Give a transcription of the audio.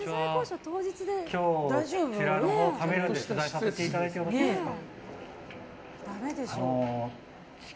今日、こちらのほうカメラで取材させていただいてよろしいですか？